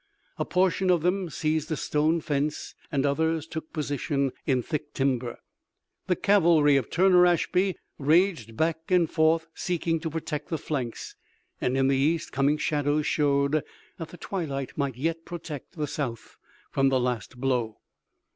A portion of them seized a stone fence, and others took position in thick timber. The cavalry of Turner Ashby raged back and forth, seeking to protect the flanks, and in the east, coming shadows showed that the twilight might yet protect the South from the last blow.